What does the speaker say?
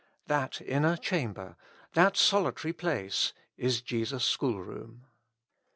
That inner chamber, that solitary place, is Jesus' schoolroom.